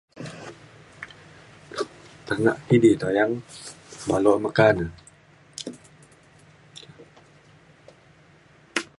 tekak kidi uyan balok meka ne